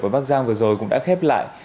ở bắc giang vừa rồi cũng đã khép lại